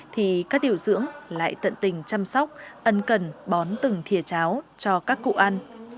thì các điều dưỡng lại tận tình chăm sóc ân cần bón từng thi cháo cho các cụ ăn